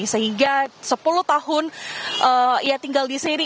sehingga sepuluh tahun ia tinggal di sini